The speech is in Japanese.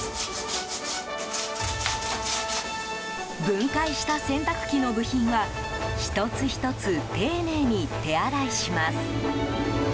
分解した洗濯機の部品は１つ１つ丁寧に手洗いします。